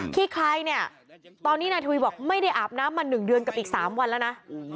ที่ใครเนี่ยตอนนี้นายทวีบอกไม่ได้อาบน้ำมา๑เดือนกับอีก๓วันแล้วนะ